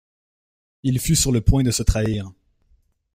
Il fut sur le point de se trahir.